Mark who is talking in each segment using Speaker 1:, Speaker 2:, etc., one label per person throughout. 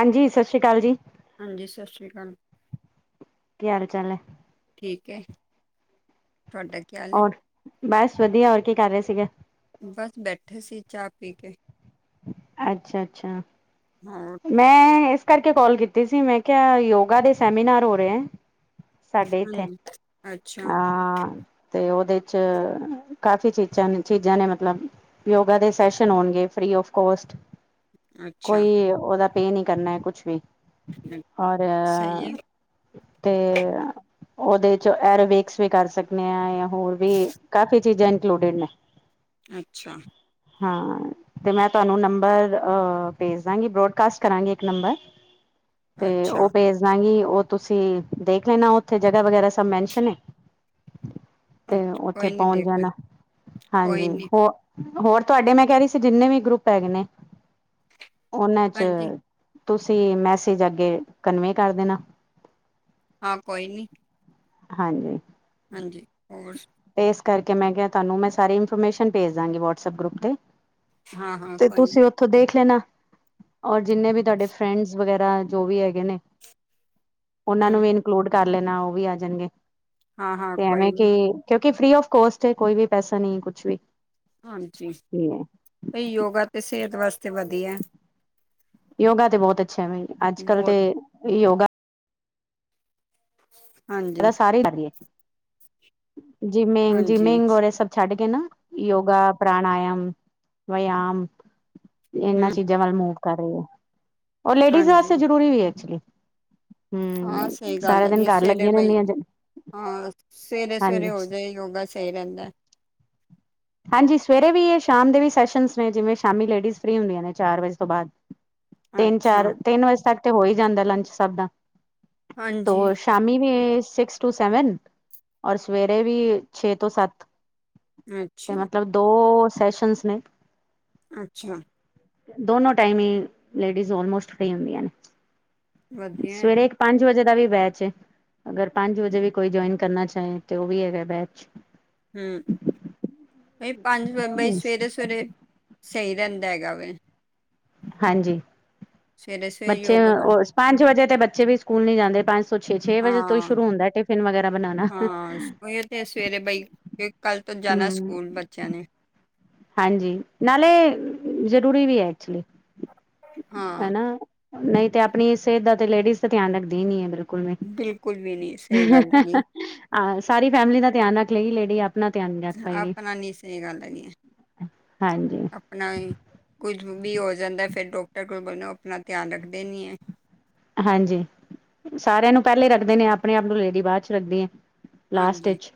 Speaker 1: ਹਾਂਜੀ, ਸਤਿ ਸ਼੍ਰੀ ਅਕਾਲ ਜੀ।
Speaker 2: ਹਾਂਜੀ ਸਤਿ ਸ਼੍ਰੀ ਅਕਾਲ।
Speaker 1: ਕੀ ਹਾਲ -ਚਾਲ ਹੈ।
Speaker 2: ਠੀਕ ਹੈ ਤੁਹਾਡਾ ਕੀ ਹਾਲ ਹੈ
Speaker 1: ਹੋਰ, ਬਸ ਵਧੀਆ ਹੋਰ ਕੀ ਕਰ ਰਹੇ ਸੀਗੇ।
Speaker 2: ਬਸ ਬੈਠੇ ਸੀ ਚਾਹ ਪੀ ਕੇ
Speaker 1: ਅੱਛਾ -ਅੱਛਾ
Speaker 2: ਹੋਰ
Speaker 1: ਮੈਂ ਇਸ ਕਰਕੇ ਕਾਲ ਕੀਤੀ ਸੀ ਮੈਂ ਕਿਹਾ ਯੋਗਾ ਦੇ ਸੈਮੀਨਾਰ ਹੋ ਰਹੇ ਹੈ। ਸਾਡੇ ਇੱਥੇ,
Speaker 2: ਹਾਂਜੀ ਅੱਛਾ
Speaker 1: ਆਂ। ਤੇ ਉਹਦੇ 'ਚ, ਕਾਫੀ ਚੀਜ਼ਾਂ ਚੀਜ਼ਾਂ ਨੇ ਮਤਲਬ ਯੋਗਾ ਦੇ ਸੈਸ਼ਨ ਹੋਣਗੇ ਫ੍ਰਰੀ ਆਫ ਕੋਸਟ
Speaker 2: ਅੱਛਾ
Speaker 1: ਕੋਈ ਉਹਦਾ ਪੇ ਨੀ ਕਰਨਾ ਹੈ ਕੁਛ ਵੀ
Speaker 2: ਅ-
Speaker 1: ਔਰ
Speaker 2: ਸਹੀ ਹੈ
Speaker 1: ਤੇ ਉਹਦੇ 'ਚ ਐਰੋਵਕਸ ਵੀ ਕਰ ਸਕਦੇ ਹਾਂ ਜਾਂ ਹੋਰ ਵੀ ਕਾਫ਼ੀ ਚੀਜ਼ਾਂ ਇੰਕਲੂਡਿਡ ਨੇ।
Speaker 2: ਅੱਛਾ
Speaker 1: ਹਾਂ, ਤੇ ਮੈਂ ਤੁਹਾਨੂੰ ਨੰਬਰ ਅ ਭੇਜ ਦਾਂਗੀ ਬਰੋਡ ਕਾਸਟ ਕਰਾਂਗੇ ਇੱਕ ਨੰਬਰ ਤੇ
Speaker 2: ਅੱਛਾ
Speaker 1: ਉਹ ਭੇਜ ਦਿਆਂਗੀ ਉਹ ਤੁਸੀਂ ਦੇਖ ਲੈਣਾ ਉੱਥੇ ਜਗ੍ਹਾ ਵਗੈਰਾ ਸਭ ਮੈਨਸ਼ਨ ਏ।
Speaker 2: ਅੱ
Speaker 1: ਤੇ ਉੱਥੇ
Speaker 2: ਕੋਈ ਨੀ
Speaker 1: ਪਹੁੰਚ
Speaker 2: ਦੇਖ ਲ
Speaker 1: ਜਾਣਾ
Speaker 2: ਕੋਈ
Speaker 1: ਹਾਂਜੀ
Speaker 2: ਨੀ
Speaker 1: ਹੋ ਹੋਰ ਤੁਹਾਡੇ ਮੈਂ ਕਹਿ ਰਹੀ ਸੀ ਜਿੰਨੇ ਵੀ ਗਰੁੱਪ ਹੈਗੇ ਨੇ ਉਹਨਾਂ 'ਚ
Speaker 2: ਹਾਂਜੀ
Speaker 1: ਤੁਸੀਂ ਮੈਸੇਜ ਅੱਗੇ ਕਨਵੇ ਕਰ ਦੇਣਾ।
Speaker 2: ਹਾਂ ਕੋਈ ਨੀ।
Speaker 1: ਹਾਂਜੀ
Speaker 2: ਹਾਂਜੀ, ਹੋਰ
Speaker 1: ਤੇ ਇਸ ਕਰਕੇ ਮੈਂ ਕਿਹਾ ਤੁਹਾਨੂੰ ਮੈਂ ਸਾਰੀ ਇਨਫੋਰਮੇਸ਼ਨ ਭੇਜ ਦਾਂਗੀ ਵਟਸਐਪ ਗਰੁੱਪ ਤੇ
Speaker 2: ਹਾਂ ਹਾਂ
Speaker 1: ਤੇ
Speaker 2: ਕੋਈ ਨੀ
Speaker 1: ਤੁਸੀਂ ਉੱਥੋਂ ਦੇਖ ਲੈਣਾ। ਔਰ ਜਿੰਨੇ ਵੀ ਤੁਹਾਡੇ ਫਰੈਂਡਸ ਵਗੈਰਾ ਜੋ ਵੀ ਹੈਗੇ ਨੇ। ਉਹਨਾਂ ਨੂੰ
Speaker 2: ਹਮ
Speaker 1: ਵੀ ਇਨਕਲੂਡ ਕਰ ਲੈਣਾ। ਉਹ ਵੀ ਆ ਜਾਣਗੇ।
Speaker 2: ਹਾਂ ਹਾਂ
Speaker 1: ਤੇ
Speaker 2: ਕੋਈ
Speaker 1: ਐਵੇਂ ਕਿ
Speaker 2: ਨੀ
Speaker 1: ਉਥੋ ਫਰੀ ਆਫ ਕੋਸਟ ਹੈ ਕੋਈ ਵੀ ਪੈਸਾ ਨਹੀਂ ਕੁਛ ਵੀ।
Speaker 2: ਹਾਂਜੀ,
Speaker 1: ਨਹੀਂ ਹੈ।
Speaker 2: ਯੋਗਾ ਤਾਂ ਸਿਹਤ ਵਾਸਤੇ ਵਧੀਆ
Speaker 1: ਯੋਗਾ ਤੇ ਬਹੁਤ ਅੱਛਾ ਮ ਅੱਜ ਕੱਲ੍ਹ
Speaker 2: ਬਹੁਤ
Speaker 1: ਤੇ ਯੋਗਾ
Speaker 2: ਹਾਂਜੀ
Speaker 1: ਪ ਸਾਰੇ ਕਰ, ਜਿਮਿੰਗ
Speaker 2: ਹਾਂਜੀ
Speaker 1: -ਜਿਮਿੰਗ ਰ ਸਭ ਛੱਡ ਕੇ ਨਾ ਯੋਗਾ ਪ੍ਰਾਣਾਯਮ ਵਿਆਮ ਇਹਨਾਂ
Speaker 2: ਹਮ
Speaker 1: ਚੀਜ਼ਾਂ ਵੱਲ ਮੂ ਕਰ ਰਹੀ ਹੈ, ਔਰ ਲੇਡੀਜ਼
Speaker 2: ਹਾਂਜੀ
Speaker 1: ਵਾਸਤੇ ਜ਼ਰੂਰੀ ਵੀ ਹੈ ਐਕਚੁਲੀ
Speaker 2: ਹਾਂ
Speaker 1: ਹਮ
Speaker 2: ਸਹੀ ਗੱਲ
Speaker 1: ਸਾਰਾ ਦਿਨ
Speaker 2: ਹੈਗੀ
Speaker 1: ਘਰ
Speaker 2: ਇਸ ਵੇਲੇ
Speaker 1: ਲੱਗੀਆਂ
Speaker 2: ਬਈ
Speaker 1: ਰਹਿੰਦੀਆਂ
Speaker 2: ਹਾਂ, ਸਵੇਰੇ- ਸਵੇਰੇ
Speaker 1: ਹਾਂਜੀ
Speaker 2: ਹੋ ਜਾਏ ਯੋਗਾ ਸਹੀ ਰਹਿੰਦਾ।
Speaker 1: ਹਾਂਜੀ। ਸਵੇਰੇ ਵੀ ਇਹ ਸ਼ਾਮ ਦੇ ਵੀ ਸੈਸ਼ਨ ਨੇ ਜਿਵੇਂ ਸ਼ਾਮੀ ਲੇਡੀਜ਼ ਫ੍ਰਰੀ ਹੁੰਦੀਆਂ ਨੇ ਚਾਰ ਵਜੇ ਤੋਂ ਬਾਅਦ ਤਿੰਨ
Speaker 2: ਅੱਛਾ
Speaker 1: -ਚਾਰ ਤਿੰਨ ਵਜੇ ਤੱਕ ਤੇ ਹੋ ਹੀ ਜਾਂਦਾ ਲੰਚ ਸਭ ਦਾ। ਤੋ
Speaker 2: ਹਾਂਜੀ
Speaker 1: ਸ਼ਾਮੀ ਵੀ ਸਿਕਸ ਟੂ ਸੈਵਨ ਔਰ ਸਵੇਰੇ ਵੀ ਛੇ ਤੋਂ ਸੱਤ। ਤੇ
Speaker 2: ਅੱਛਾ
Speaker 1: ਮਤਲਬ ਦੋ ਸੈਸ਼ਨਸ ਨੇ।
Speaker 2: ਅੱਛਾ।
Speaker 1: ਦੋਨੋ ਟਾਈਮ ਹੀ ਲੇਡੀਜ਼ ਮੋਸਟ ਫਰੀ ਹੁੰਦੀਆਂ ਨੇ।
Speaker 2: ਵਧੀਆ
Speaker 1: ਸਵੇਰੇ ਪੰਜ ਵਜੇ ਦਾ ਵੀ ਬੈਚ ਹੈ। ਅਗਰ ਪੰਜ ਵਜੇ ਵੀ ਕੋਈ ਜੁਆਇਨ ਕਰਨਾ ਚਾਹੇ ਤੇ ਉਹ ਵੀ ਹੈਗਾ ਬੈਚ।
Speaker 2: ਹਮ। ਬ ਪੰਜ ਬਾਈ ਸਵੇਰੇ -ਸਵੇਰੇ ਸਹੀ ਰਹਿੰਦਾ ਹੈਗਾ ਵਾ।
Speaker 1: ਹਾਂਜੀ।
Speaker 2: ਸਵੇਰੇ ਸਵੇਰੇ
Speaker 1: ਬੱਚੇ
Speaker 2: ਯੋਗਾ ਕਰ
Speaker 1: ਉਹ ਪੰਜ ਵਜੇ ਤੇ ਬੱਚੇ ਵੀ ਸਕੂਲੀ ਜਾਂਦੇ। ਪੰਜ ਤੋਂ ਛੇ -ਛੇ ਵਜੇ ਤੋਂ ਹੀ
Speaker 2: ਹਾਂ
Speaker 1: ਸ਼ੁਰੂ ਹੁੰਦਾ। ਫਨ ਵਗੈਰਾ ਬਣਾਉਣਾ।
Speaker 2: ਹਾਂ। ਉ ਤੇ ਸਵੇਰੇ ਬਈ ਕੱਲ ਤੋਂ ਜਾਣਾ ਸਕੂਲ ਬੱਚਿਆਂ ਨੇ।
Speaker 1: ਹਾਂਜੀ। ਨਾਲੇ ਜ਼ਰੂਰੀ ਵੀ ਹੈ ਐਕਚੁਲੀ ਹੈ
Speaker 2: ਹਾਂ
Speaker 1: ਨਾ। ਨਹੀਂ ਤੇ ਆਪਣੀ ਸਿਹਤ ਦਾ ਤੇ ਲੇਡੀਜ਼ ਦਾ ਧਿਆਨ ਰੱਖਦੀ ਹੀ ਨੀ ਹੈ ਬਿਲਕੁਲ।
Speaker 2: ਬਿਲਕੁਲ ਵੀ ਨਹੀਂ ਸਹੀ ਗੱਲ ਹੈਗੀ
Speaker 1: ਹ ਸਾਰੀ ਫੈਮਲੀ ਦਾ ਧਿਆਨ ਰੱਖ ਲਗੀ ਲੇਡੀ ਆਪ। ਆਪਣਾ ਧਿਆਨ ਨਹੀਂ।
Speaker 2: ਆਪਣਾ ਨੀ ਸਹੀ ਗੱਲ ਹੈਗੀ ਏ।
Speaker 1: ਹਾਂਜੀ।
Speaker 2: ਆਪਣਾ ਕੁਝ ਵੀ ਹੋ ਜਾਂਦਾ ਫਿਰ ਡਾਕਟਰ ਕੋਲ ਬਲ ਆਪਣਾ ਧਿਆਨ ਰੱਖਦੇ ਨਹੀਂ ਹੈ।
Speaker 1: ਹਾਂਜੀ। ਸਾਰਿਆਂ ਨੂੰ ਪਹਿਲੇ ਰੱਖਦੇ ਨੇ ਆਪਣੇ ਆਪ ਨੂੰ ਲੇਡੀ ਬਾਅਦ 'ਚ ਰੱਖਦੀ ਏ। ਲਾਸਟ
Speaker 2: ਹਾਂਜੀ
Speaker 1: ਚ'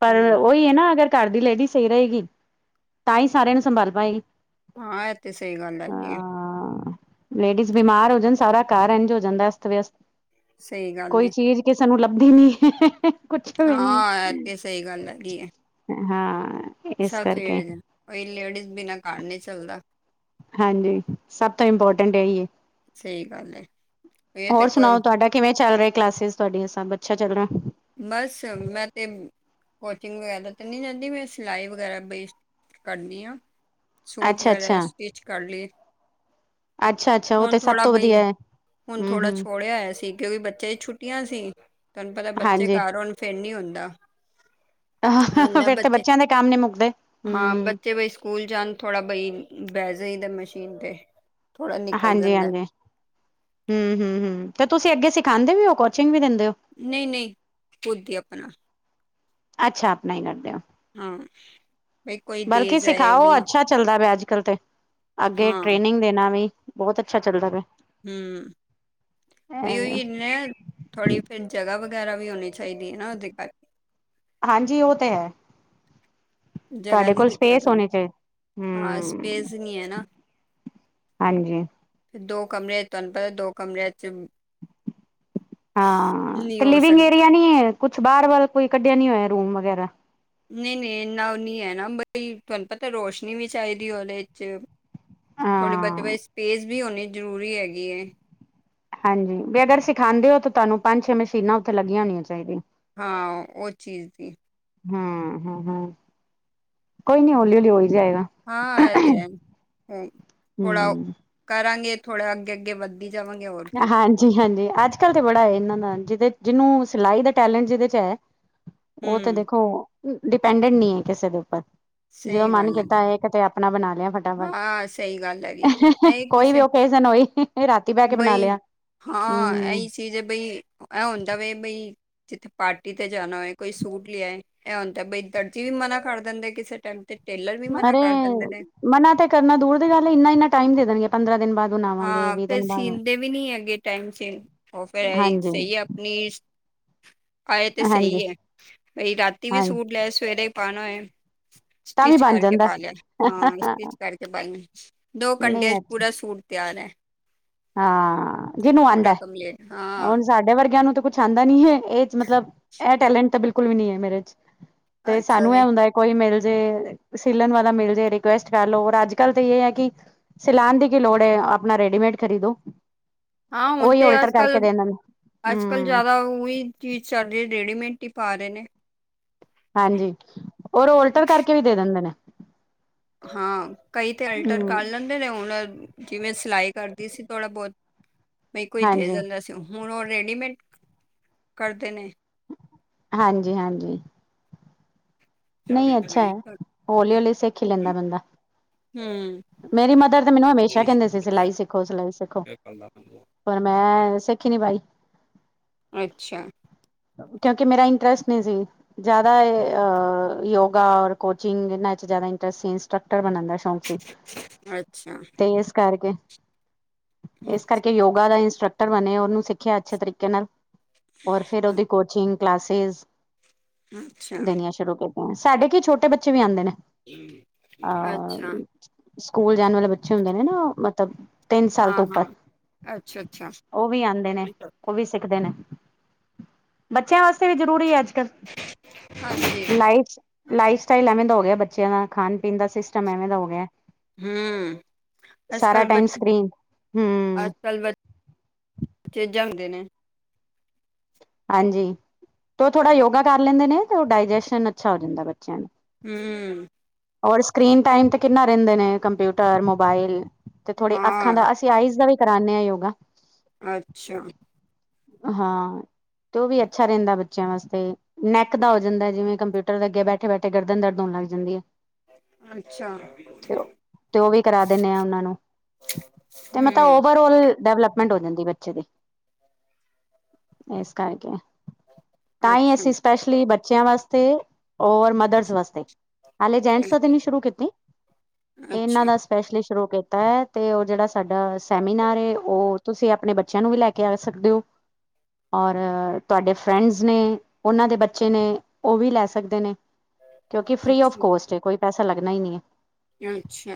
Speaker 1: ਪਰ
Speaker 2: ਹਮ
Speaker 1: ਉਹੀ ਹੈ ਨਾ ਅਗਰ ਘਰ ਦੀ ਲੇਡੀਜ਼ ਸਹੀ ਰਹੇਗੀ। ਤਾਂ ਹੀ ਸਾਰਿਆਂ ਨੂੰ ਸੰਭਾਲ ਪਾਏਗੀ।
Speaker 2: ਹਾਂ। ਇਹ ਤੇ ਸਹੀ ਗੱਲ ਹੈ ਜੀ।
Speaker 1: ਹਾਂ। ਲੇਡੀਜ਼ ਬਿਮਾਰ ਹੋ ਜਾਣ ਸਾਰਾ ਕਾਰਰ ਇੰਝ ਹੋ ਜਾਂਦਾ ਅਸਤ -ਵਿਅਸਤ।
Speaker 2: ਸਹੀ ਗੱਲ
Speaker 1: ਕੋਈ
Speaker 2: ਏ
Speaker 1: ਚੀਜ਼ ਕਿਸ ਸਾਨੂੰ ਲੱਭਦੀ ਨੀ ਹੈ। ਕੁਛੇ ਵੀ
Speaker 2: ਹਾਂ ਇਹ
Speaker 1: ਨਹੀਂ
Speaker 2: ਤੇ ਸਹੀ ਗੱਲ ਹੈਗੀ ਹੈ
Speaker 1: ਹਾਂ। ਇਸ
Speaker 2: ਸਭ
Speaker 1: ਕਰਕੇ
Speaker 2: ਸਹੀ। ਲੇਡੀਜ਼ ਬਿਨਾਂ ਕਾਰ ਨਹੀਂ ਚੱਲਦਾ।
Speaker 1: ਹਾਂਜੀ। ਸਭ ਤੋਂ ਇੰਪੋਰਟੈਂਟ ਹੈ। ਜ
Speaker 2: ਸਹੀ ਗੱਲ ਹੈ ਇਹ ਤੇ
Speaker 1: ਹੋਰ ਸੁਣਾਓ
Speaker 2: ਕੋਈ
Speaker 1: ਤੁਹਾਡਾ? ਕਿਵੇਂ ਚੱਲ ਰਹੇ ਕਲਾਸਿਸ ਤੁਹਾਡੀਆਂ ਸਭ ਅੱਛਾ ਚੱਲ ਰਿਹਾ।
Speaker 2: ਬਸ ਮੈਂ ਤੇ ਕੋਚਿੰਗ ਵਗੈਰਾ ਤੇ ਨਹੀਂ ਰਹਿੰਦੀ। ਮੈਂ ਸਿਲਾਈ ਵਗੈਰਾ ਬੇਸ ਕਰਨੀ ਆ। ਸੂਟ
Speaker 1: ਅੱਛਾ-ਅੱਛਾ,
Speaker 2: ਵਗੈਰਾ ਸਟਿਚ ਕਰ ਲਈਏ।
Speaker 1: ਅੱਛਾ-ਅੱਛਾ ਉਹ
Speaker 2: ਹੁਣ
Speaker 1: ਤੇ ਸਭ
Speaker 2: ਥੋੜਾ
Speaker 1: ਤੋਂ
Speaker 2: ਬਈ।
Speaker 1: ਵਧੀਆ ਹੈ
Speaker 2: ਹੁਣ ਥੋੜਾ
Speaker 1: ਹੂੰ-ਹੂੰ
Speaker 2: ਛੋੜਿਆ ਹੋਇਆ ਸੀ। ਕਿਉਂਕਿ ਬੱਚੇ ਦੀ ਛੁੱਟੀਆਂ ਸੀ। ਤੁਹਾਨੂੰ ਪਤਾ ਬੱਚੇ
Speaker 1: ਹਾਂਜੀ।
Speaker 2: ਘਰ ਆਣ ਫਿਰ ਨੀ ਹੁੰਂਦਾ। ਕਹਦਾ
Speaker 1: ਫੇਰ ਤੇ
Speaker 2: ਬੱਚੇ
Speaker 1: ਬੱਚਿਆਂ ਦੇ ਕੰਮ ਨੀ ਮੁੱਕਦੇ
Speaker 2: ਹਾਂ।
Speaker 1: ਹੂੰ
Speaker 2: ਬੱਚੇ ਬ ਸਕੂਲ ਜਾਣ ਥੋੜ੍ਹਾ ਬਾਈ ਬੈਵ ਜਿਦਾ ਦਾ ਮਸ਼ੀਨ 'ਤੇ। ਥੋੜ੍ਹਾ ਨਿਕਲ
Speaker 1: ਹਾਂਜੀ-
Speaker 2: ਜਾਂਦਾ
Speaker 1: ਹਾਂਜੀ। ਹਮ- ਹਮ- ਹਮ ਤੇ ਤੁਸੀਂ ਅੱਗੇ ਸਿਖਾਉਂਦੇ ਵੀ ਹੋ, ਕੋਚਿੰਗ ਵੀ ਦਿੰਦੇ ਹੋ।
Speaker 2: ਨਹੀਂ- ਨਹੀਂ ਖੁਦ ਹੀ ਆਪਣਾ।
Speaker 1: ਅੱਛਾ। ਆਪ ਨਹੀਂ ਕਰਦੇ ਹੋ।
Speaker 2: ਹਾਂ। ਬਈ ਕੋਈ, ਦੇ
Speaker 1: ਬਲਕਿ
Speaker 2: ਜਾਏ,
Speaker 1: ਸਿਖਾਓ
Speaker 2: ਬਈ।
Speaker 1: ਅੱਛਾ ਚੱਲਦਾ ਪਿਆ, ਅੱਜ ਕੱਲ ਤੇ। ਅੱਗੇ
Speaker 2: ਹਾਂ
Speaker 1: ਟ੍ਰੇਨਿੰਗ ਦੇਣਾ ਵੀ, ਬਹੁਤ ਅੱਛਾ ਚੱਲਦਾ ਪਿਆ।
Speaker 2: ਹੂੰ। ਭਈ
Speaker 1: ਐਵੇਂ,
Speaker 2: ਉਹੀਨ ਥੋੜ੍ਹੀ ਫਿਰ ਜਗ੍ਹਾ ਵਗੈਰਾ ਵੀ ਹੋਣੀ ਚਾਹੀਦੀ ਹੈ ਨਾ ਉਹਦੇ ਕਰ।
Speaker 1: ਹਾਂਜੀ। ਉਹ ਤੇ ਹੈ।
Speaker 2: ਜਗ੍ਹਾ
Speaker 1: ਤੁਹਾਡੇ
Speaker 2: ਦੀ
Speaker 1: ਕੋਲ
Speaker 2: ਦਿੱਕਤ
Speaker 1: ਸਪੇਸ ਹੋਣੀ ਚਾਹੀ।
Speaker 2: ਹਾਂ
Speaker 1: ਹਮ।
Speaker 2: ਸਪੇਸ ਨਹੀਂ ਹੈ ਨਾ
Speaker 1: ਹਾਂਜੀ।
Speaker 2: ਫ ਦੋ ਕਮਰੇਿਆਂ ਚ' ਤੁਹਾਨੂੰ ਪਤਾ ਦੋ ਕਮਰਿਆਂ ਚ'
Speaker 1: ਹਾਂ।
Speaker 2: ਨਹੀਂ
Speaker 1: ਤੇ
Speaker 2: ਹੋ
Speaker 1: ਲਿਵਿੰਗ
Speaker 2: ਸਕਦਾ
Speaker 1: ਏਰੀਆ ਨੀ ਕੁਛ ਬਾਹਰ ਵੱਲ ਕੋਈ ਕੱਢਿਆ ਨੀ ਹੋਇਆ ਰੂਮ ਵਗੈਰਾ।
Speaker 2: ਨਹੀਂ- ਨਹੀਂ ਇੰਨਾ ਨ ਹੈ ਨਾ ਬਈ ਤੁਹਾਨੂੰ ਪਤਾ ਰੋਸ਼ਨੀ ਵੀ ਚਾਹੀਦੀ ਉਹਦੇ ਚ' ਥੋੜ੍ਹੀ- ਬਤ
Speaker 1: ਹਾਂ
Speaker 2: ਬ ਸਪੇਸ ਵੀ ਹੋਣੀ ਜ਼ਰੂਰੀ ਹੈਗੀ।
Speaker 1: ਹਾਂਜੀ। ਵੀ ਅਗਰ ਸਿਖਾਉਂਦੇ ਹੋ ਤਾਂ ਤੁਹਾਨੂੰ ਪੰਜ -ਛੇ ਮਸ਼ੀਨਾਂ ਉੱਥੇ ਲੱਗੀਆਂ ਹੋਣੀਆਂ ਚਾਹੀਦੀਆਂ।
Speaker 2: ਹਾਂ। ਉਹ ਚੀਜ਼ ਦੀ।
Speaker 1: ਹੂੰ, ਹੂੰ- ਹੂੰ, ਕੋਈ ਨੀ ਹੌਲੀ- ਹੌਲੀ, ਹੋ ਹੀ ਜਾਏਗਾ।
Speaker 2: ਹਾਂ। ਇਹ ਤੇ ਹੈ। ਉਹ ਥੋੜਾ
Speaker 1: ਹਮ
Speaker 2: ਕਰਾਂਗੇ। ਥੋੜਾ ਅੱਗੇ- ਅੱਗੇ ਵੱਧ। ਦੇ, ਜਾਵਾਂਗੇ ਹੋਰ ਕੀ।
Speaker 1: ਜੀ ਹਾਂਜੀ। ਅੱਜ ਕੱਲ ਤੇ ਬੜਾ ਹੈ, ਇਹਨਾਂ ਦਾ। ਜਿਹਦੇ ਜਿਹਨੂੰ, ਸਿਲਾਈ ਦਾ ਟੈਲੈਂਟ, ਜਿਹਦੇ ਚ ਹੈ। ਉਹ ਤੇ
Speaker 2: ਹੂੰ
Speaker 1: ਦੇਖੋ, ਡਿਪੈਂਡਟ ਨੀ ਹੈ, ਕਿਸੇ ਦੇ ਉੱਪਰ। ਜਦੋਂ
Speaker 2: ਸਹੀ
Speaker 1: ਮਨ
Speaker 2: ਗੱਲ
Speaker 1: ਕੀਤਾ ਹੈ, ਕਿਤੇ। ਆਪਣਾ ਬਣਾ ਲਿਆ ਫਟਾਫਟ।
Speaker 2: ਹਾਂ ਸਹੀ ਗੱਲ ਹੈਗੀ ਆ ਇਹ
Speaker 1: ਕੋਈ ਵੀ
Speaker 2: ਕਿਸੇ
Speaker 1: ਓਕੇਜਨ ਹੋਈ, ਰਾਤੀ ਬਹਿ। ਬਣਾ ਲਿਆ। ਹੂੰ।
Speaker 2: ਤੇ, ਜੇ ਬਈ, ਏ ਹੁੰਦਾ ਵੇ ਏ ਬਈ। ਜਿੱਥੇ ਪਾਰਟੀ ਤੇ ਜਾਣਾ ਹੋਏ। ਕੋਈ ਸੂਟ ਲਿਆ। ਏ ਹੁਣਦਾ ਏ ਬਈ, ਦਰਜੀ ਵੀ ਮਨਾ ਕਰ ਦਿੰਦੇ, ਕਿਸੇ ਟਾਈਮ ਤੇ। ਟੇਲਰ ਵੀ ਮਨਾ
Speaker 1: ਅਰੇ।
Speaker 2: ਕਰ ਦਿੰਦੇ ਨੇ
Speaker 1: ਮਨਾ ਤੇ ਕਰਨਾ ਦੂਰ ਦੀ ਗੱਲ ਏ। ਇੰਨਾ- ਇਨਾ, ਟਾਈਮ ਦੇ ਦੇਣਗੇ, ਪੰਦਰਾਂ ਦਿਨ ਬਾਅਦ। ਬਣਾਵਾਂਗੇ
Speaker 2: ਹਾਂ।
Speaker 1: ਵੀਹ
Speaker 2: ਫੇਰ
Speaker 1: ਦਿਨ ਬਾਅਦ
Speaker 2: ਸੀਨਦੇ ਵੀ, ਨਹੀਂ ਹੈਗੇ, ਟਾਈਮ ਸੀਰ। ਉਹ ਫੇਰ
Speaker 1: ਹਾਂਜੀ
Speaker 2: ਸਹੀ ਹੈ, ਆਪਣੀ। ਆਏ ਤੇ
Speaker 1: ਹਾਂਜੀ
Speaker 2: ਸਹੀ ਹੈ। ਬਣੀ ਰਾਤੀ ਵੀ
Speaker 1: ਹਾਂਜੀ
Speaker 2: ਸੂਟ ਲੈ ਆਏ ਸਵੇਰੇ ਹੀ ਪਾਉਣਾ ਹੋਏ।
Speaker 1: ਤਾਂ ਵੀ
Speaker 2: ਸਟਿਚ
Speaker 1: ਬਣ
Speaker 2: ਕਰਕੇ
Speaker 1: ਜਾਂਦਾ
Speaker 2: ਪ ਲਿਆ। ਹਾਂ, ਸਟਿਚ
Speaker 1: ਨਹੀਂ
Speaker 2: ਕਰਕੇ ਪਾਲ- ਦੋ ਘੰਟਿਆਂ ਚ,
Speaker 1: ਅੱਛਾ
Speaker 2: ਪੂਰਾ ਸੂਟ ਤਿਆਰ ਹੈ।
Speaker 1: ਹਾਂ। ਜਿਹਨੂੰ
Speaker 2: ਪੂਰਾ
Speaker 1: ਆਉਂਦਾ ਹੈ।
Speaker 2: ਕੰਪਲੀਟ ਹਾਂ
Speaker 1: ਹੁਣ, ਸਾਡੇ ਵਰਗਿਆਂ ਨੂੰ, ਤਾਂ ਕੁਛ। ਛ ਆਂਦਾ ਨਹੀਂ ਹੈ। ਇਹ, ਮਤਲਬ ਇਹ ਟੈਲੈਂਟ ਤਾਂ, ਬਿਲਕੁਲ ਵੀ ਨਹੀਂ ਹੈ। ਮੇਰੇ ਚ ਤੇ,
Speaker 2: ਅੱਛਾ
Speaker 1: ਸਾਨੂੰ
Speaker 2: ਜੀ
Speaker 1: ਇਹ ਹੁੰਦਾ। ਕੋਈ ਮਿਲ ਜੇ, ਸਿਲਣ ਵਾਲਾ, ਮਿਲ ਜੇ ਰਿਕੁਐਸਟ ਕਰ ਲੋ। ਔਰ ਅੱਜ ਕੱਲ, ਤਾਂ ਇਹ ਹੈ, ਕਿ। ਸੈਲਾਨ ਦੀ, ਕੀ ਲੋੜ ਹੈ। ਆਪਣਾ, ਰੈਡੀਮੇਡ ਖਰੀਦੋ।
Speaker 2: ਹਾਂ। ਹੁਣ
Speaker 1: ਉਹੀ
Speaker 2: ਤੇ,
Speaker 1: ਓਲਟਰ
Speaker 2: ਅੱਜ ਕੱਲ,
Speaker 1: ਕਰਕੇ ਦੇ ਦਿੰਦੇ
Speaker 2: ਅੱਜ ਕੱਲ
Speaker 1: ਹਮ
Speaker 2: ਜ਼ਿਆਦਾ। ਉਹੀ ਚੀਜ਼, ਚੱਲ ਰਹੀ। ਰੇਡੀਮੇਡ ਹੀ ਪਾ ਰਹੇ ਨੇ।
Speaker 1: ਹਾਂਜੀ। ਔਰ ਔ ਓਲਟਰ, ਕਰਕੇ ਵੀ ਦੇ ਦਿੰਦੇ ਨੇ।
Speaker 2: ਹਾਂ। ਕਈ ਤੇ, ਅਲਟਰ ਕਾਰ
Speaker 1: ਹਮ
Speaker 2: ਲੇ। ਤਦੇ ਨੇ ਹੁਣ, ਜਿਵੇਂ ਸਿਲਾਈ ਕਰਦੀ ਸੀ। ਥੋੜਾ- ਬਹੁਤ ਬਣੀ, ਕੋਈ ਦੇ
Speaker 1: ਹਾਂਜੀ
Speaker 2: ਜਾਂਦਾ ਸੀ। ਹੁਣ, ਉਹ ਰੈਡੀਮੇਡ ਕਰਦੇ ਨੇ।
Speaker 1: ਹਾਂਜੀ- ਹਾਂਜੀ। ਨਹੀਂ, ਅੱਛਾ ਹੈ। ਹੌਲੀ- ਹੌਲੀ, ਸਿੱਖੀ ਲੈਂਦਾ ਬੰਦਾ।
Speaker 2: ਹੂੰ
Speaker 1: ਮੇਰੀ ਮਦਰ, ਤੇ ਮੈਨੂੰ, ਹਮੇਸ਼ਾ ਕਹਿੰਦੇ ਸੀ। ਸਿਲਾਈ ਸਿੱਖੋ, ਸਿਲਾਈ ਸਿੱਖੋ। ਪਰ ਮੈਂ, ਸਿੱਖੀ ਨੀ ਪਾਈ।
Speaker 2: ਅੱਛੇਆ।
Speaker 1: ਕਿਉਂਕਿ, ਮੇਰਾ ਇੰਟਰਸਟ ਨਹੀਂ ਸੀ। ਜ਼ਿਆਦਾ ਯੋਗਾ, ਔਰ ਕੋਚਿੰਗ, ਇਹਨਾਂ ਚ ਜ਼ਿਆਦਾ ਇੰਟਰਸਟ ਸੀ। ਇੰਸਟਰਕਟਰ ਬਣਨ ਦਾ ਸ਼ੌਕ।
Speaker 2: ਅੱਛਾ
Speaker 1: ਤੇ, ਇਸ ਕਰਕੇ।
Speaker 2: ਹੂੰ,
Speaker 1: ਇਸ ਕਰਕੇ ਯੋਗਾ, ਦਾ ਇੰਸਟਰਕਟਰ ਬਣੇਿਆ। ਉਹਨੂੰ ਸਿੱਖਿਆ, ਅੱਛੇ ਤਰੀਕੇ ਨਾਲ, ਔਰ ਫੇਰ ਉਹਦੀ। ਕੋਚਿੰਗ, ਕਲਾਸਿਸ
Speaker 2: ਅੱਛਾ
Speaker 1: ਦੇਨਿਆਂ। ਸ਼ੁਰੂ, ਸਾਡੇ ਕੀ ਛੋਟੇ ਬੱਚੇ ਵੀ, ਆਉਂਦੇ ਨੇ।
Speaker 2: ਅੱਛਾ
Speaker 1: ਅਹ। ਸਕੂਲ ਜਾਣ ਵਾਲੇ, ਬੱਚੇ ਹੁੰਦੇ ਨੇ ਨਾ, ਮਤਲਬ। ਤਿੰਨ ਸਾਲ
Speaker 2: ਹਾਂ
Speaker 1: ਤੋਂ ਉੱਪਰ,
Speaker 2: ਹਾਂ ਅੱਛਾ ਅੱਛਾ
Speaker 1: ਉਹ ਵੀ ਆਉਂਦੇ ਨੇ, ਉਹ ਵੀ ਸਿੱਖਦੇ ਨੇ। ਬੱਚਿਆਂ ਵਾਸਤੇ ਵੀ ਜ਼ਰੂਰੀ ਹੈ ਅੱਜ ਕੱਲ
Speaker 2: ਹਾਂਜੀ
Speaker 1: ਲਾਈਫ ਲਾਈਫ ਸਟਾਈਲ ਐਵੇਂ ਦਾ ਹੋ ਗਿਆ ਬੱਚਿਆਂ ਦਾ ਖਾਣ ਪੀਣ ਦਾ ਸਿਸਟਮ ਐਵੇਂ ਦਾ ਹੋ ਗਿਆ
Speaker 2: ਹੂੰ। ਅੱਜ
Speaker 1: ਸਾਰਾ
Speaker 2: ਕੱਲ
Speaker 1: ਟਾਈਮ
Speaker 2: ਬੱਚੀ,
Speaker 1: ਸਕਰੀਨ ਹੂੰ
Speaker 2: ਅੱਜ ਕੱਲ ਬ- ਬੱਚੇ ਜਾਂਦੇ ਨੇ।
Speaker 1: ਹਾਂਜੀ। ਤੇ ਉਹ ਥੋੜਾ, ਯੋਗਾ ਕਰ ਲੈਂਦੇ ਨੇ। ਤੇ ਉਹ, ਡਾਇਜੈਸ਼ਨ ਅੱਛਾ, ਹੋ ਜਾਂਦਾ ਬੱਚਿਆਂ ਦਾ।
Speaker 2: ਹੂੰ।
Speaker 1: ਔਰ ਸਕਰੀਨ ਟਾਈਮ, ਤੇ ਕਿੰਨਾ ਰਹਿੰਦੇ ਨੇ? Computer, mobile. ਤੇ ਥੋੜੀ, ਅੱਖਾਂ
Speaker 2: ਹਾਂ
Speaker 1: ਦਾ, ਅਸੀਂ ਆਈਜ਼ ਦਾ ਵੀ, ਕਰਾਉਂਦੇ ਹਾਂ ਯੋਗਾ।
Speaker 2: ਅੱਛਾ।
Speaker 1: ਹਾਂ। ਤੇ ਉਹ ਵੀ, ਅੱਛਾ ਰਹਿੰਦਾ, ਬੱਚਿਆਂ ਵਾਸਤੇ। ਨੈਕ ਦਾ ਹੋ ਜਾਂਦਾ ਜਿਵੇਂ ਕੰਪਿਊਟਰ ਦੇ ਅੱਗੇ ਬੈਠੇ ਬੈਠੇ ਗਰਦਨ ਦਰਦ ਹੋਣ ਲੱਗ ਜਾਂਦੀ ਹੈ
Speaker 2: ਅੱਛਾ
Speaker 1: ਤੇ ਉਹ ਵੀ ਕਰਾ ਦਿੰਦੇ ਆ ਉਹਨਾਂ ਨੂੰ ਤੇ ਮਤਲਬ
Speaker 2: ਹੂੰ
Speaker 1: ਓਵਰਲ ਡਵਲਪ ਗੰਢ ਹੋ ਜਾਂਦੀ ਬੱਚੇ ਦੀ ਇਸ ਕਰਕੇ ਤਾਂ ਹੀ
Speaker 2: ਅੱਛਾ
Speaker 1: ਅਸੀਂ ਸਪੈਸ਼ਲੀ ਬੱਚਿਆਂ ਵਾਸਤੇ ਔਰ ਮਦਰਸ ਵਾਸਤੇ ਹਾਲੇ ਜੈਂਟਸ
Speaker 2: ਅੱਛਾ
Speaker 1: ਨੀ ਸ਼ੁਰੂ ਕੀਤੀ ਇਹ ਇਹਨਾਂ
Speaker 2: ਅੱਛਾ
Speaker 1: ਦੱਸ ਸਪੈਸ਼ਲੀ ਸ਼ੁਰੂ ਕੀਤਾ ਹੈ ਅਤੇ ਉਹ ਜਿਹੜਾ ਸਾਡਾ ਸੈਮੀਨਾਰ ਏ ਉਹ ਤੁਸੀਂ ਆਪਣੇ ਬੱਚਿਆਂ ਨੂੰ ਵੀ ਲੈ ਕੇ ਆ ਸਕਦੇ ਹੋ ਔਰ ਤੁਹਾਡੇ ਫਰੈਂਡਸ ਨੇ, ਉਹਨਾਂ ਦੇ ਬੱਚੇ ਨੇ ਉਹ ਵੀ ਲੈ ਸਕਦੇ ਨੇ। ਕਿਉਂਕਿ ਫਰੀ ਓਫ ਕੋਸਟ ਹੈ, ਕੋਈ ਪੈਸਾ ਲੱਗਣਾ ਹੀ ਨਹੀਂ ਹੈ।
Speaker 2: ਅੱਛਾ।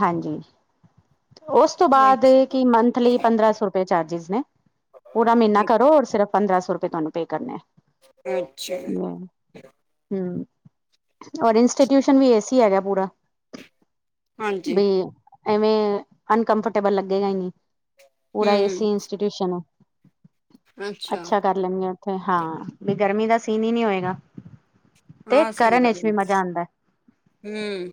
Speaker 1: ਹਾਂਜੀ, ਉਸ ਤੋਂ ਬਾਅਦ ਕਿ ਮੰਥਲੀ ਪੰਦਰਾਂ ਸੌ ਰੁਪ ਰੁਪਏ ਚਾਰਜਿਸ ਨੇ ਪੂਰਾ ਮਹੀਨਾ
Speaker 2: ਕੋਈ
Speaker 1: ਕਰੋ ਔਰ ਸਿਰਫ ਪੰਦਰਾਂ ਸੌ ਰੁਪਏ ਤੁਹਾਨੂੰ ਪੇ ਕਰਨੇ ਐ।
Speaker 2: ਅੱਛਾ।
Speaker 1: ਹੂ ਔਰ ਇੰਸਟੀਟਿਊਸ਼ਨ ਵੀ ਏ ਸੀ ਹੈਗਾ ਪੂਰਾ।
Speaker 2: ਹਾਂਜੀ
Speaker 1: ਬੀ ਐਵੇਂ ਅਨਕੰਫਰਟੇਬਲ ਲੱਗੇਗਾ ਹੀ ਨੀ ਪੂਰਾ ਏ
Speaker 2: ਹੂੰ
Speaker 1: ਸੀ ਟਿਸ਼ਨ। ਅੱਛਾ ਕਰ ਲੈਣਗੇ ਉੱਥੇ, ਹਾਂ ਬੀ ਗਰਮੀ ਦਾ ਸੀਨ ਹੀ ਨਹੀਂ ਹੋਏਗਾ। ਤੇ
Speaker 2: ਹਾਂ ਸਹੀ
Speaker 1: ਕਰਨ
Speaker 2: ਗੱਲ
Speaker 1: ਇਸ ਲਈ
Speaker 2: ਐ।
Speaker 1: ਮਜ਼ਾ ਆਂਦਾ।
Speaker 2: ਹੂੰ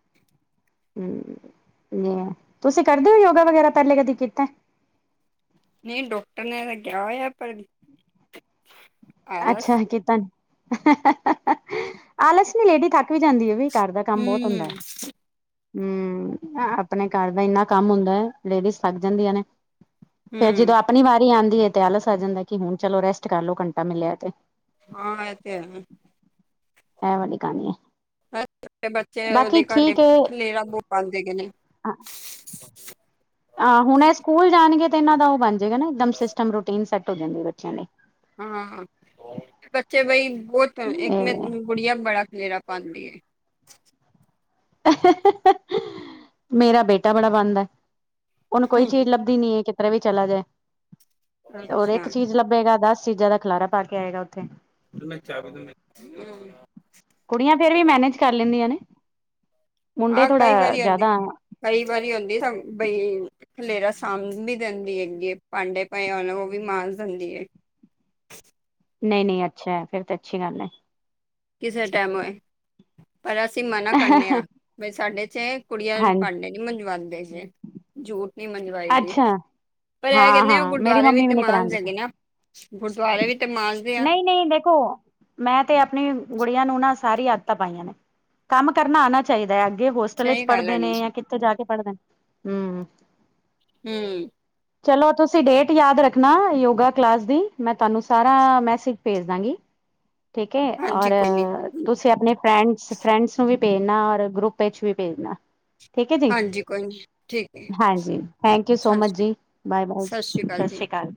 Speaker 1: ਹੂ ਨਹੀਂ, ਤੁਸੀਂ ਕਰਦੇ ਹੋ ਯੋਗਾ ਵਗੈਰਾ ਪਹਿਲੇ ਕਦੀ ਕੀਤਾ।
Speaker 2: ਨਹੀਂ, ਡਾਕਟਰ ਨੇ ਤਾਂ ਕਿਹਾ ਹੋਇਆ ਪਰ ਆਲਸ
Speaker 1: ਅੱਛਾ ਕਿਤਾ, ਨੀ ਆਲਸ ਨੀ, ਲੇਡੀ ਥੱਕ ਵੀ ਜਾਂਦੀ ਹੈ ਵੀ। ਘਰ ਦਾ ਕੰਮ ਬੋਹਤ
Speaker 2: ਹੂੰ
Speaker 1: ਹੁੰਦਾ ਹੈ। ਹੂ ਆਪਣੇ ਘਰ ਦਾ ਇੰਨਾ ਕੰਮ ਹੁੰਦਾ ਹੈ, ਲੇਡੀਜ਼ ਥਕ ਜਾਂਦੀਆਂ ਨੇ। ਫਿਰ
Speaker 2: ਹੂੰ
Speaker 1: ਜਦੋਂ ਆਪਣੀ ਵਾਰੀ ਆਂਦੀ ਹੈ ਤੇ, ਆਲਸ ਆ ਜਾਂਦਾ ਕਿ ਹੁਣ ਚਲੋ ਰੈਸਟ ਕਰ ਲਓ, ਘੰਟਾ ਮਿਲਿਆ ਤੇ।
Speaker 2: ਹਾਂ, ਏ ਤੇ ਹੈ।
Speaker 1: ਇਹ ਵਾਲੀ ਕਹਾਣੀ ਹੈ
Speaker 2: ਛੋਟੇ ਬੱਚੇ
Speaker 1: ਬਾਕੀ
Speaker 2: ਉਹਦੇ ਘਰੇ
Speaker 1: ਠੀਕ ਹੈ
Speaker 2: ਖਲੇਰਾ ਬੋਹ ਪਾਂਦੇ ਹੈਗੇ ਨੇ।
Speaker 1: ਆਹ ਹੁਣ ਇਹ ਸਕੂਲ ਜਾਣਗੇ ਤੇ ਇਹਨਾਂ ਦਾ ਉਹ ਬਣ ਜਾਏਗਾ ਨਾ ਇਕਦਮ ਸਿਸਟਮ, ਰੂਟੀਨ ਸੈਟ ਹੋ ਜਾਂਦੀ ਬੱਚਿਆਂ ਲਈ।
Speaker 2: ਹਾਂ, ਬੱਚੇ ਬਈ ਬਹੁਤ ਤੰਗ ਇੱਕ ਮੇਰੀ ਗੁੜੀਆਂ ਬੜਾ ਖਲੇਰਾ ਪਾਂਦੀ ਏ।
Speaker 1: ਮੇਰਾ ਬੇਟਾ ਬੜਾ ਪਾਂਦਾ, ਉਹਨੂੰ ਕੋਈ ਚੀਜ਼ ਲੱਭ ਨੀ ਹੈ ਕਿਧਰੇ ਵੀ ਚਲਾ ਜਾਏ, ਔਰ
Speaker 2: ਅੱਛਾ
Speaker 1: ਇੱਕ ਚੀਜ਼ ਲੱਭੇਗਾ ਦਸ ਚੀਜ਼ਾਂ ਦਾ ਖਲਾਰਾ ਪਾ ਕੇ ਆਏਗਾ ਉੱਥੇ।
Speaker 2: ਪਰ ਮੈਂ [unintelligible]
Speaker 1: ਕੁੜੀਆਂ ਫਿਰ ਵੀ ਮੈਨੇਜ ਕਰ ਲੈਂਦੀਆਂ ਨੇ, ਮੁੰਡੇ
Speaker 2: ਆਹ ਕਈ
Speaker 1: ਥੋੜਾ
Speaker 2: ਵਾਰੀ ਹੁੰਦੀ
Speaker 1: ਜਿਆਦਾ
Speaker 2: ਕਈ ਵਾਰੀ ਹੁੰਦੀ ਥੰਮ ਬਈ ਖਲੇਰਾ ਸਾਂਬ ਵੀ ਦਿੰਦੀ ਹੈਗੀ ਏ, ਭਾਂਡੇ ਪਏ ਹੋਣ ਉਹ ਵੀ ਮਾਂਜ ਦਿੰਦੀ ਹੈ।
Speaker 1: ਨਹੀਂ-ਨਹੀਂ, ਅੱਛਾ ਹੈ। ਫਿਰ ਤੇ ਅੱਛੀ ਗੱਲ ਹੈ।
Speaker 2: ਕਿਸੇ ਟਾਈਮ ਹੋਏ, ਪਰ ਅਸੀਂ ਮਨਾ ਕਰਨੇ ਹਾਂ
Speaker 1: ਹੈ।
Speaker 2: ਵੀ ਸਾਡੇ ਚ ਕੁੜੀਆਂ ਵੀ
Speaker 1: ਹਾਂਜੀ
Speaker 2: ਪੜ ਲੇ। ਨਹੀਂ ਮੰਜਵਾਂਦੇ ਹੈਗੇ। ਜੂਠ ਨਹੀਂ ਮੰਜਵਾਈ ਦੀ,
Speaker 1: ਅੱਛਾ
Speaker 2: ਪਰ ਇਹ
Speaker 1: ਹਾਂ
Speaker 2: ਕਹਿੰਦੇ ਉਹ
Speaker 1: ਹਾਂ ਮੇਰੀ
Speaker 2: ਗੁਰਦੁਆਰੇ ਵੀ
Speaker 1: ਮੰਮੀ
Speaker 2: ਤੇ
Speaker 1: ਨੀ
Speaker 2: ਮਾਂਜ
Speaker 1: ਕਰਾਂਦੇ ਸੀ।
Speaker 2: ਦੇਗੀ ਨਾ। ਗੁਰਦੁਆਰੇ ਵੀ ਤੇ ਮਾਂਜਦੇ ਆ।
Speaker 1: ਨਹੀਂ ਨਹੀਂ ਦੇਖੋ। ਮੈਂ ਤੇ ਆਪਣੀ ਗੁੜੀਆਂ ਨੂੰ ਨਾ ਸਾਰੀ ਆਦਤਾਂ ਪਾਈਆਂ ਨੇ, ਕੰਮ ਕਰਨਾ ਆਣਾ ਚਾਹੀਦਾ ਹੈ ਅੱਗੇ ਹੋ ਹੋਸਟਲ ਚ
Speaker 2: ਸਹੀ ਗੱਲ
Speaker 1: ਪੜਦੇ
Speaker 2: ਹੈਗੀ
Speaker 1: ਨੇ ਯਾਂ ਕਿੱਥੇ ਜਾ ਕੇ ਪੜਦੇ ਨੇ ਹੂ।
Speaker 2: ਹਮ
Speaker 1: ਚਲੋ, ਤੁਸੀਂ ਡੇਟ ਯਾਦ ਰੱਖਣਾ ਯੋਗਾ ਕਲਾਸ ਦੀ। ਮੈਂ ਤੁਹਾਨੂੰ ਸਾਰਾ ਮੈਸੇਜ ਭੇਜ ਦਾਂਗੀ। ਠੀਕ ਹੈ ਔਰ,
Speaker 2: ਹਾਂਜੀ ਕੋਈ ਨੀ
Speaker 1: ਤੁਸੀਂ ਆਪਣੇ ਫਰੈਂਡਸ ਫਰੈਂਡਸ ਨੂੰ ਵੀ ਭੇਜਣਾ ਔਰ ਗਰੁੱਪ ਵਿੱਚ ਵੀ ਭੇਜਣਾ। ਠੀਕ ਹੈ ਜੀ,
Speaker 2: ਹਾਂਜੀ ਕੋਈ ਨੀ ਠੀਕ ਹੈ
Speaker 1: ਹਾਂਜੀ ਥੈਂਕ ਯੂ ਸੋ
Speaker 2: ਸਤਿ
Speaker 1: ਮਚ
Speaker 2: ਸ਼੍ਰੀ
Speaker 1: ਜੀ, ਬਾਏ-ਬਾਏ ਜੀ ਸਤਿ ਸ਼੍ਰੀ ਅਕਾਲ।